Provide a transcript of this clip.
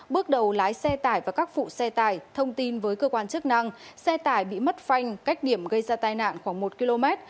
bước đầu lái xe tải và các phụ xe tải thông tin với cơ quan chức năng xe tải bị mất phanh cách điểm gây ra tai nạn khoảng một km